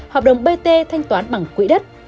hợp đồng bt thanh toán bằng quỹ đất